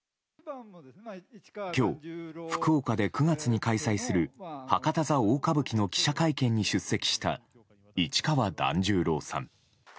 今日、福岡で９月に開催する博多座大歌舞伎の記者会見に出席した市川團十郎さん。